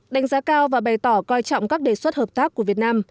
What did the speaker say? đánh giá cao và bày tỏ coi trọng các đề xuất hợp tác của việt nam